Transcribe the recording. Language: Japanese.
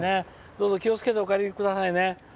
どうぞ、気をつけてお帰りくださいね。